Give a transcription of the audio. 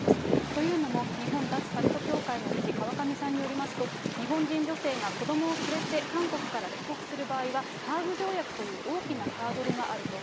というのも、日本脱カルト協会の理事、川上さんによりますと、日本人女性が子どもを連れて韓国から帰国する場合は、ハーグ条約という大きなハードルがあると。